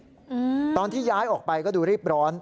อืมตอนที่ย้ายออกไปก็ดูรีบร้อน